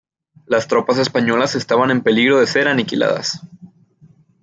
Las tropas españolas estaban en peligro de ser aniquiladas.